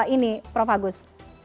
ini prof agus